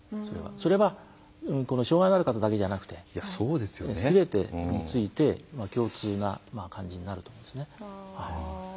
それは障害がある方だけじゃなくてすべての人について共通な感じになると思います。